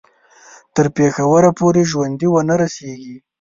تر پېښوره پوري ژوندي ونه رسیږي.